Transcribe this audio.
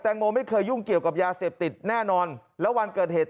โมไม่เคยยุ่งเกี่ยวกับยาเสพติดแน่นอนแล้ววันเกิดเหตุ